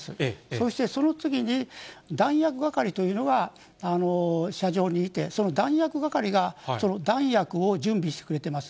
そしてその次に、弾薬係というのが射場にいて、その弾薬係がその弾薬を準備してくれています。